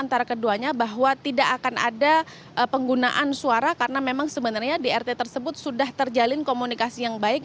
antara keduanya bahwa tidak akan ada penggunaan suara karena memang sebenarnya di rt tersebut sudah terjalin komunikasi yang baik